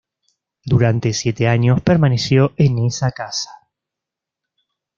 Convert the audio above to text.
Durante siete años permaneció en esa casa.